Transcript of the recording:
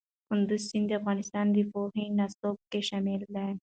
کندز سیند د افغانستان د پوهنې نصاب کې شامل دی.